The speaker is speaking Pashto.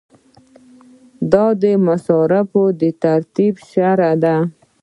دا د مصارفو د ترتیب شرحه ده.